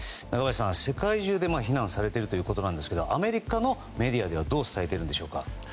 中林さん、世界中で非難されているということですがアメリカのメディアではどう伝えてるんでしょうか？